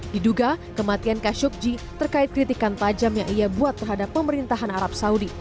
diduga kematian khashoggi terkait kritikan tajam yang ia buat terhadap pemerintahan arab saudi